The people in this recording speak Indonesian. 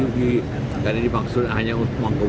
jadi maksudnya hanya mengkobodir berarti lebih politis daripada